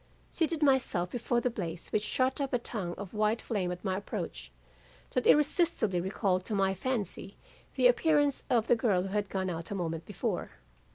seated myself before the blaze which shot up a tongue of white flame at my approach, that irresistibly recalled to my fancy the appearance of the girl who had gone out a moment before.